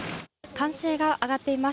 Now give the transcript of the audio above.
歓声が上がっています。